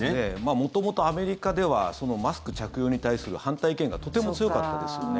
元々、アメリカではマスク着用に対する反対意見がとても強かったですよね。